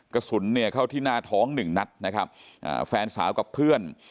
กระสุนเนี่ยเข้าที่หน้าท้องหนึ่งนัดนะครับอ่าแฟนสาวกับเพื่อน